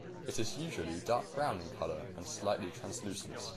It is usually dark brown in color and slightly translucent.